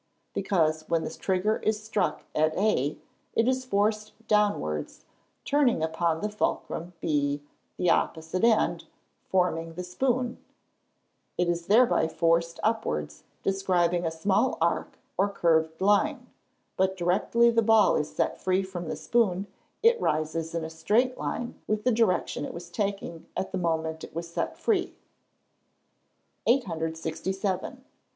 _ Because, when the trigger is struck at A, it is forced downwards, turning upon the fulcrum B, the opposite end, forming the spoon, is thereby forced upwards, describing a small arc, or curved line; but directly the ball is set free from the spoon, it rises in a right line with the direction it was taking, at the moment it was set free. [Illustration: Fig. 46. BAT AND BALL.] 867.